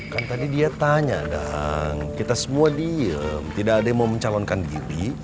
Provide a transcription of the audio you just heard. kan tadi dia tanya dan kita semua diem tidak ada yang mau mencalonkan diri